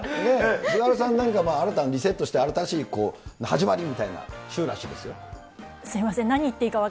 菅原さん、新たにリセットして新しい始まりみたいな週らしいですよ。